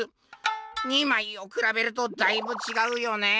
「２まいをくらべるとだいぶ違うよね。